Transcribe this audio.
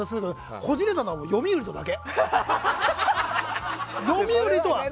こじれたのは、読売だけ。